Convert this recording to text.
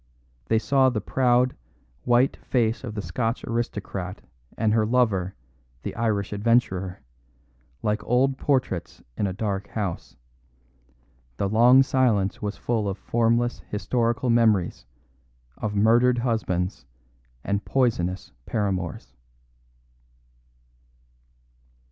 They saw the proud, white face of the Scotch aristocrat and her lover, the Irish adventurer, like old portraits in a dark house. The long silence was full of formless historical memories of murdered husbands and poisonous paramours.